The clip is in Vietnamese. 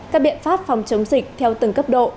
các biện pháp phòng chống dịch theo từng cấp độ